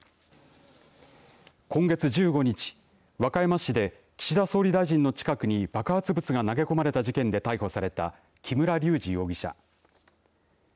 今月１５日和歌山市で岸田総理大臣の近くに爆発物が投げ込まれた事件で逮捕された木村隆二容疑者。